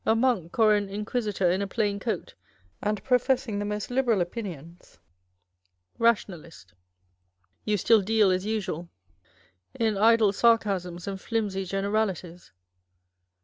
monk or an Inquisitor in a plain coat and professing the most liberal opinions. nationalist. You still deal, as usual, in idle sarcasms and flimsy generalities.